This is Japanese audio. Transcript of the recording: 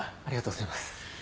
ありがとうございます。